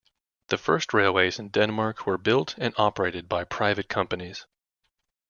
The first railways in Denmark were built and operated by private companies.